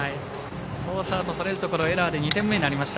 フォースアウトとれるところエラーで２点目になりました。